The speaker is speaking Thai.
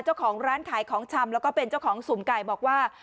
เจ้าของร้านขายของชำแล้วก็เป็นเจ้าของสุ่มไก่บอกว่า